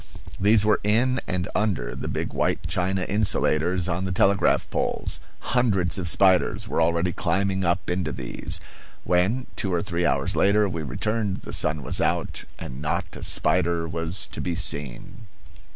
These were in and under the big white china insulators on the telegraph poles. Hundreds of spiders were already climbing up into these. When, two or three hours later, we returned, the sun was out, and not a spider was to be seen.